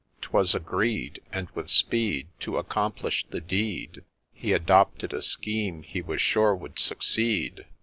'Twas agreed ; and, with speed To accomplish the deed, He adopted a scheme he was sure would succeed.